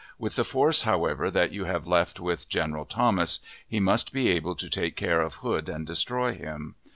With the force, however, that you have left with General Thomas, he must be able to take care of Hood and destroy him.